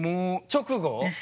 直後？